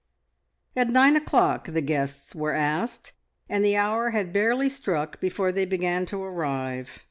At nine o'clock the guests were asked, and the hour had barely struck before they began to arrive.